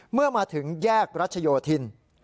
เมื่อมาถึงแยกรัชโยธิน